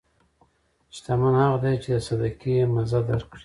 شتمن هغه دی چې د صدقې مزه درک کړي.